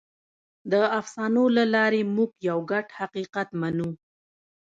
د افسانو له لارې موږ یو ګډ حقیقت منو.